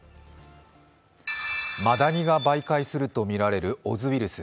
マダニが媒介するとみられるオズウイルス。